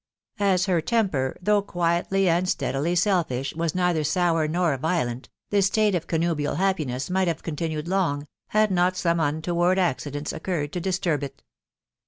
As her temper, though quietly and steadily selfish, was. ■either sour nor violent, this {state of connubial happiness might .have continued long, had not .some untoward .accidents occurred to disturb it.